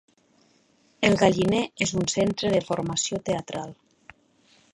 El Galliner és un centre de formació teatral.